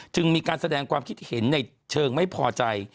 จึงมีการแสดงความคิดเห็นในเชิงไม่พอใจ